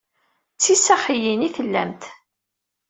D tisaxiyin i tellamt.